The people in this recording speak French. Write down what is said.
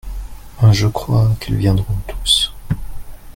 Je crois qu'ils viendront tous.